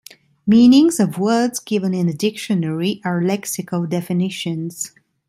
Meanings of words given in a dictionary are lexical definitions.